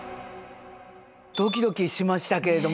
ドキドキしましたけれども。